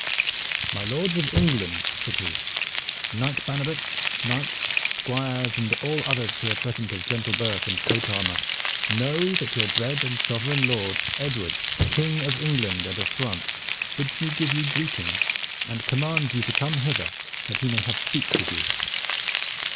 "My lords of England," said he, "knight bannerets, knights, squires, and all others here present of gentle birth and coat armor, know that your dread and sovereign lord, Edward, King of England and of France, bids me give you greeting and commands you to come hither that he may have speech with you."